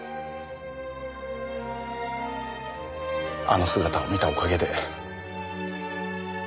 あの姿を見たおかげで。